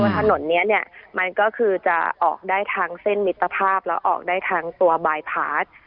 ถนนนี้เนี่ยมันก็คือจะออกได้ทางเส้นมิตรภาพแล้วออกได้ทางตัวบายพาร์ท